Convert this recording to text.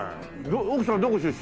奥さんどこ出身？